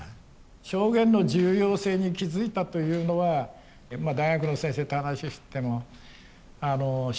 証言の重要性に気付いたというのは大学の先生と話しててもあの資料だけなんだね。